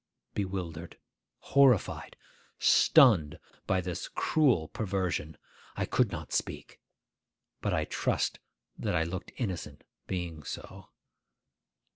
Bewildered, horrified, stunned by this cruel perversion, I could not speak. But I trust that I looked innocent, being so.